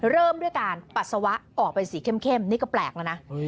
เริ่มด้วยการปัสสาวะออกเป็นสีเข้มนี่ก็แปลกแล้วนะ